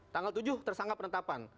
tanggal tujuh tersangka penetapan